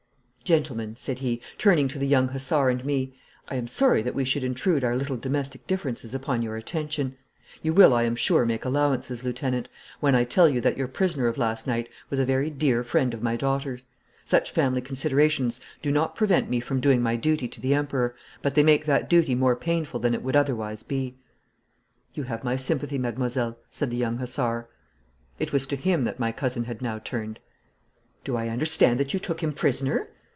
'Gentlemen,' said he, turning to the young hussar and me,' I am sorry that we should intrude our little domestic differences upon your attention. You will, I am sure, make allowances, lieutenant, when I tell you that your prisoner of last night was a very dear friend of my daughter's. Such family considerations do not prevent me from doing my duty to the Emperor, but they make that duty more painful than it would otherwise be.' 'You have my sympathy, mademoiselle,' said the young hussar. It was to him that my cousin had now turned. 'Do I understand that you took him prisoner?'